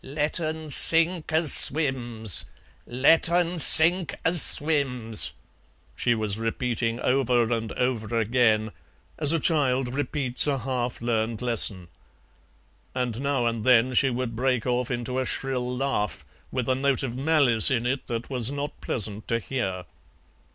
"Let un sink as swims, let un sink as swims," she was, repeating over and over again, as a child repeats a half learned lesson. And now and then she would break off into a shrill laugh, with a note of malice in it that was not pleasant to hear.